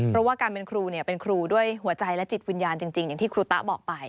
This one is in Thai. เพราะว่าการเป็นครูเป็นครูด้วยหัวใจและจิตวิญญาณจริงอย่างที่ครูตะบอกไป